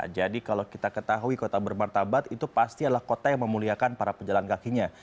jadi kalau kita ketahui kota bermartabat itu pasti adalah kota yang memuliakan para pejalan kakinya